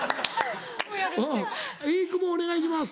飯窪お願いします。